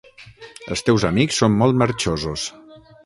El teus amics són molt marxosos.